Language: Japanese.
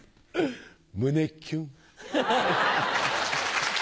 胸キュン。